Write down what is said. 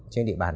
trên địa bàn